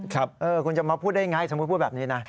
คุณจะมาพูดได้อย่างไรสมมุติพูดแบบนี้นะ